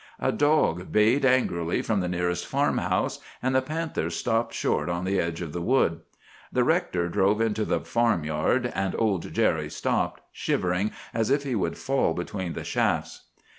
A dog bayed angrily from the nearest farmhouse, and the panther stopped short on the edge of the wood. The rector drove into the farmyard; and old Jerry stopped, shivering as if he would fall between the shafts.